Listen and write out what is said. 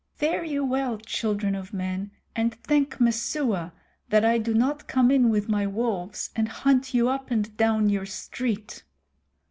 Fare you well, children of men, and thank Messua that I do not come in with my wolves and hunt you up and down your street."